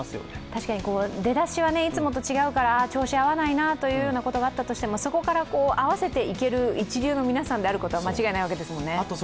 確かに出だしはいつもと違うから、調子合わないなということがあったとしても、そこから合わせていける一流の皆さんであることは間違いないわけですよね。